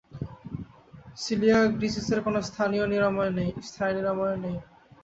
Coeliac ডিজিজের কোনো স্থায়ী নিরাময় নেই।